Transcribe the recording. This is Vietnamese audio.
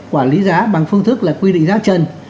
quản lý giá bằng phương thức là quy định giá trần